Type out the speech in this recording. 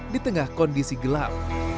di tengah kondisi gelap